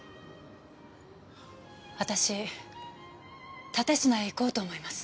私蓼科へ行こうと思います。